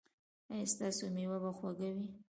ایا ستاسو میوه به خوږه وي؟